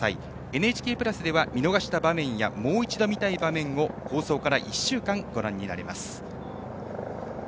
「ＮＨＫプラス」では見逃した場面やもう一度見たい場面を放送から１週間ご覧になれます。